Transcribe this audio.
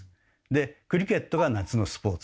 でクリケットが夏のスポーツ。